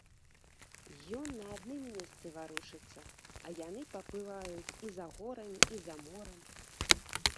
Ён на адным месцы варушыцца, а яны пабываюць і за горамі, і за морам.